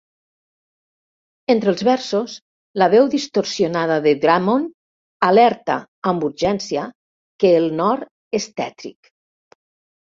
Entre els versos, la veu distorsionada de Drummond alerta amb urgència que "El nord és tètric".